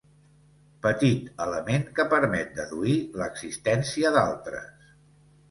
Petit element que permet deduir l'existència d'altres.